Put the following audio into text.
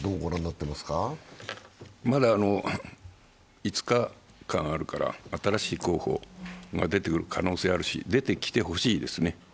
まだ５日間あるから、新しい候補が出てくる可能性があるし出てきたほしいですね。